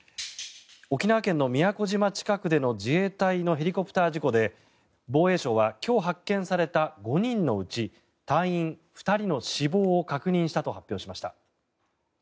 沖縄県の宮古島近くでの自衛隊のヘリコプター事故で防衛省は今日発見された５人のうち隊員２人の死亡を確認したと発表しました。